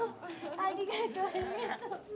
ありがとう。